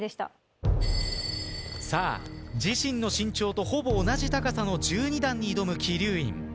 さあ自身の身長とほぼ同じ高さの１２段に挑む鬼龍院。